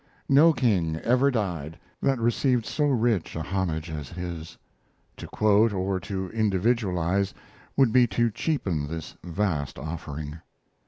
No king ever died that received so rich a homage as his. To quote or to individualize would be to cheapen this vast offering.